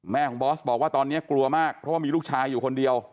แม่ของบอสบอกว่าตอนนี้กลัวมากเพราะว่ามีลูกชายอยู่คนเดียว